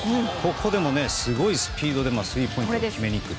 ここでもすごいスピードでスリーポイントを決めに行く。